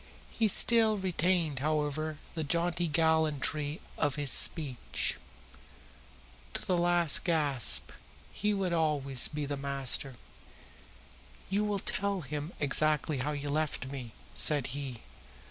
He still retained, however, the jaunty gallantry of his speech. To the last gasp he would always be the master. "You will tell him exactly how you have left me," said he.